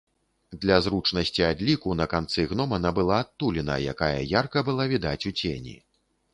Для зручнасці адліку на канцы гномана была адтуліна, якая ярка была відаць у цені.